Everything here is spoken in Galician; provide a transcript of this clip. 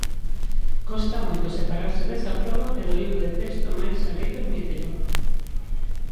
Costa moito separarse desa proba e do libro de texto mais a lei permíteo.